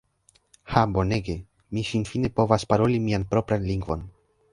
Ha bonege! Mi finfine povas paroli mian propran lingvon!